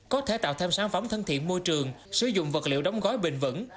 có thể tạo thêm sản phẩm thân thiện môi trường sử dụng vật liệu đóng gói bình vững